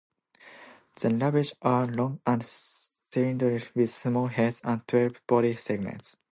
The larvae are long and cylindrical with small heads and twelve body segments.